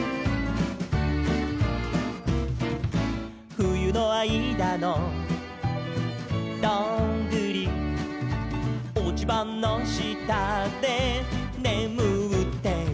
「ふゆのあいだのどんぐり」「おちばのしたでねむってる」